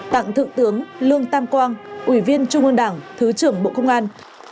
tặng thượng tướng lương tam quang ủy viên trung ương đảng thứ trưởng bộ công an